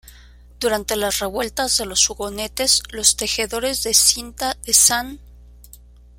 Durante las revueltas de los hugonotes, los tejedores de cinta de St.